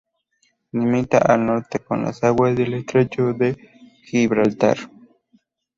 Limita al norte con las aguas del estrecho de Gibraltar.